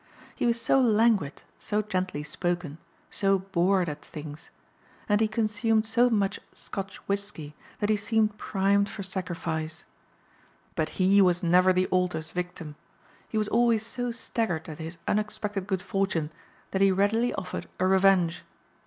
He was so languid, so gently spoken, so bored at things. And he consumed so much Scotch whiskey that he seemed primed for sacrifice. But he was never the altar's victim. He was always so staggered at his unexpected good fortune that he readily offered a revenge.